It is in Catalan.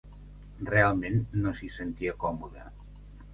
Realment, no s'hi sentia còmode.